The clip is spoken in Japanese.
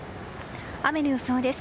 雨の予想です。